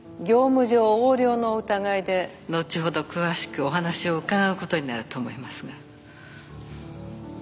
業務上横領の疑いでのちほど詳しくお話を伺う事になると思いますが。